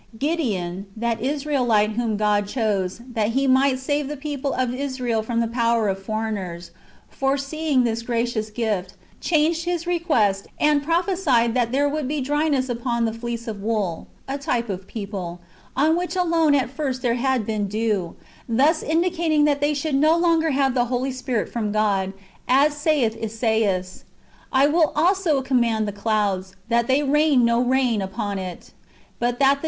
Gideon,^ that Israelite whom God chose, that he might save the people of Israel from the power of foreigners, fore seeing this gracious gift, changed his request, and prophesied that there would be dryness upon the fleece of wool (a type of the people), on which alone at first there had been dew ; thus indicating that they should no longer have the Holy Spirit from God, as saith Esaias, " I will also command the clouds, that they rain no rain upon it,"^ but that the dew, which ^ John xvi.